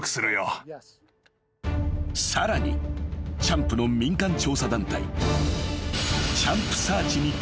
［さらにチャンプの民間調査団体］